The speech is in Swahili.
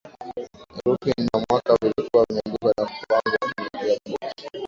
Herufi na mwaka vilikuwa vimeandikwa na kupangwa kwenye kila boksi